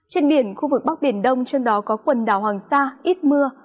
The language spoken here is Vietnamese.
trên biển khu vực bắc biển đông trong đó có quần đảo hoàng sa ít mưa